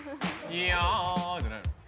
「ヤー」じゃないの？